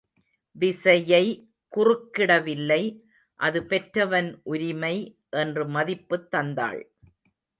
விசயை குறுக்கிடவில்லை அது பெற்றவன் உரிமை என்று மதிப்புத் தந்தாள்.